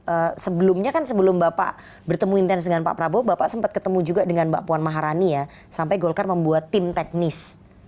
oke sebelumnya kan sebelum bapak bertemu intens dengan pak prabowo bapak sempat ketemu juga dengan mbak puan maharani ya sampai golkar membuat tim teknis